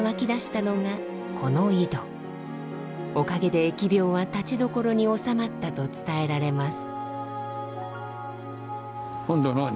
おかげで疫病はたちどころに収まったと伝えられます。